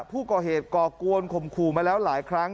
ผู้ก่อเหตุก่อกวนข่มขู่มาแล้วหลายครั้ง